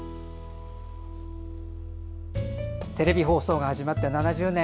テレビ放送が始まって７０年。